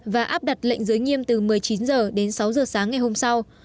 và áp đặt lệnh giới nghiêm từ một mươi chín h đến sáu h sáng ngày hôm sau